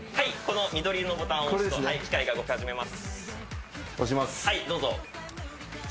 緑色のボタンを押すと機械が動き始めます。